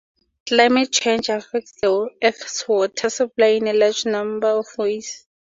Climate change affects the Earth's water supply in a large number of ways.